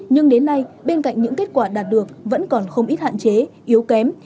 nhưng đến nay bên cạnh những kết quả đạt được vẫn còn không ít hạn chế yếu kém